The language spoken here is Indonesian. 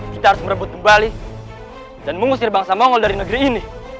kita harus merebut kembali dan mengusir bangsa monggol dari negeri ini